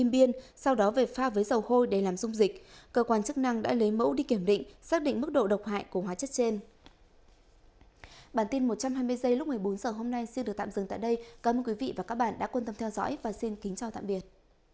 bản tin một trăm hai mươi giây lúc một mươi bốn h hôm nay xin được tạm dừng tại đây cảm ơn quý vị và các bạn đã quan tâm theo dõi và xin kính chào tạm biệt